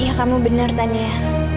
iya kamu bener tania